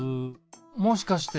もしかして！